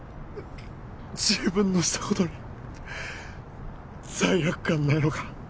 自分のした事に罪悪感ないのか？